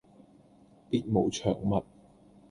別無長物